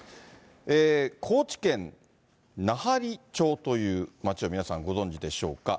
高知県奈半利町という町を皆さん、ご存じでしょうか。